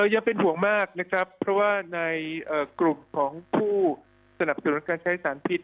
ยังเป็นห่วงมากนะครับเพราะว่าในกลุ่มของผู้สนับสนุนการใช้สารพิษ